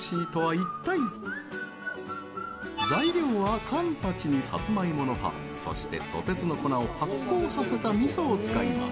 材料は、カンパチにサツマイモの葉そして、ソテツの粉を発酵させた味噌を使います。